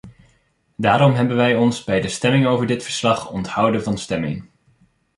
Daarom hebben wij ons bij de stemming over dit verslag onthouden van stemming.